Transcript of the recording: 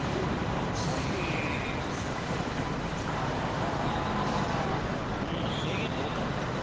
やっぱり『北斗の拳』とかですかね。